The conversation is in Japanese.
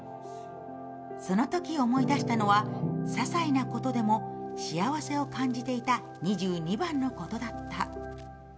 そのとき思い出したのは、ささいなことでも幸せを感じていた２２番のことだった。